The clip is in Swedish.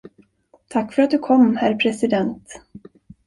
Tack för att du kom, herr president.